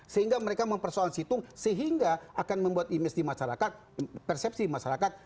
sehingga mereka mempersoal situng sehingga akan membuat image di masyarakat persepsi masyarakat